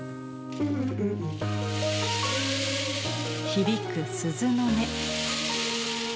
響く鈴の音。